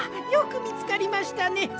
よくみつかりましたね。